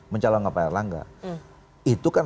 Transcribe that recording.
mencalon pak erlanger itu kan